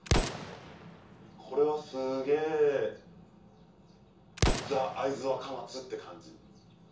これはすげぇザ会津若松って感じ。